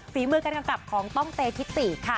ฝีมือการกำกับของต้องเตธิติค่ะ